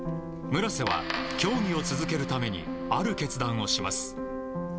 村瀬は、競技を続けるためにある決断をします。